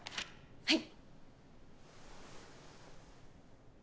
はい。